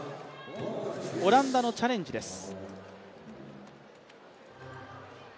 オランダのチャレンジです。